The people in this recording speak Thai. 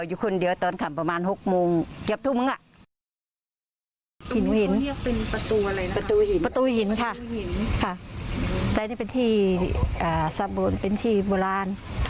และนี่เป็นที่สะบดเป็นที่โบราณ